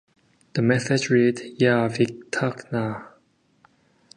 The message read "Yeah Viv Talk Nah".